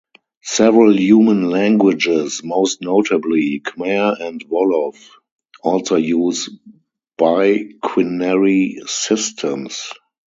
Several human languages, most notably Khmer and Wolof, also use biquinary systems.